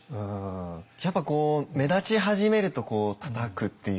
やっぱ目立ち始めるとこうたたくっていうのって